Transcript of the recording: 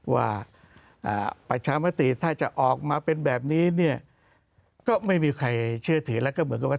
ว่าประชามติถ้าจะออกมาเป็นแบบนี้เนี่ยก็ไม่มีใครเชื่อถือแล้วก็เหมือนกับว่า